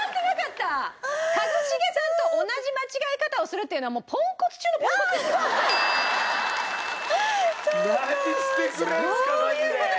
一茂さんと同じ間違え方をするっていうのはもうポンコツ中のポンコツですよ。何してくれんすかマジで。